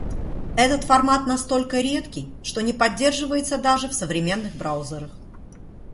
Этот формат настолько редкий, что не поддерживается даже в современных браузерах.